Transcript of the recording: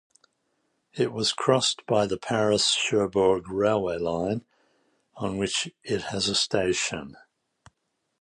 It is crossed by the Paris-Cherbourg railway line, on which it has a station.